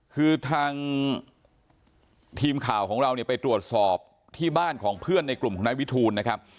คือทางทีมข่าวของเราเนี่ยไปตรวจสอบที่บ้านของเพื่อนในกลุ่มของนายวิทูลนะครับ